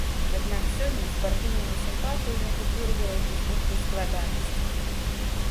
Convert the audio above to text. Аднак сёння з партыйнымі сімпатыямі ў бюргераў узніклі складанасці.